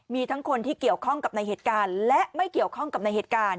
มีทั้งคนที่เกี่ยวข้องกับในเหตุการณ์และไม่เกี่ยวข้องกับในเหตุการณ์